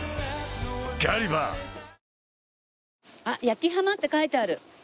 あっ焼きハマって書いてある。